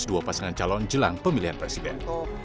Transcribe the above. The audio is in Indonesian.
dua pasangan calon jelang pemilihan presiden